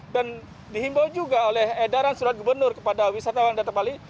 dan dihimbau juga oleh edaran surat gubernur kepada wisatawan data bali